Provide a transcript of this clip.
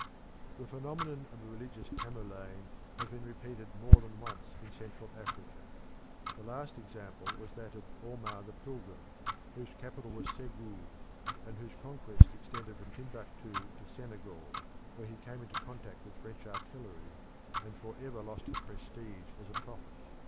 The phenomenon of a religious Tamerlane has been repeated more than once in Central Africa. The last example was that of Oumar the Pilgrim, whose capital was Segou, and whose conquests extended from Timbuktu to Senegal, where he came into contact with French artillery and for ever lost his prestige as a prophet.